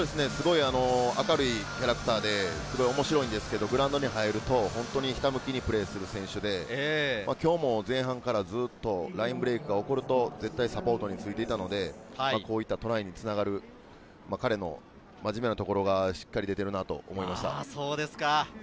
明るいキャラクターで面白いんですけれど、グラウンドに入るとひたむきにプレーする選手で、前半からずっとラインブレイクが起こるとサポートについていたので、こういったトライにつながる彼の真面目なところがしっかり出ていると思いました。